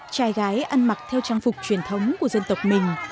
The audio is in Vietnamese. trai gái ăn mặc theo trang phục truyền thống của dân tộc mình